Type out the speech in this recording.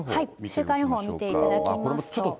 週間予報、見ていただきますと。